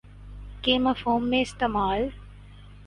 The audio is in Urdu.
کے مفہوم میں استعمال